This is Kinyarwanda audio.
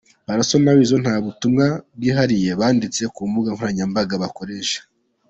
Pallaso na Weasel nta butumwa bwihariye banditse ku mbuga nkoranyambaga bakoresha.